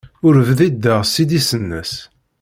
Ur bdideɣ s idis-nsen.